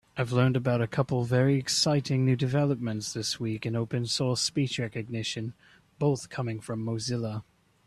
I learned about a couple very exciting new developments this week in open source speech recognition, both coming from Mozilla.